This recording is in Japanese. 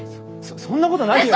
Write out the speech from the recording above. そそんなことないよ。